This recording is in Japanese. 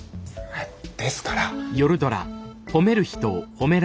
ですから。